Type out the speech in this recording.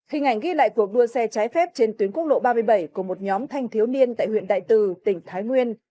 hình ảnh ghi lại cuộc đua xe trái phép trên tuyến quốc lộ ba mươi bảy của một nhóm thanh thiếu niên tại huyện đại từ tỉnh thái nguyên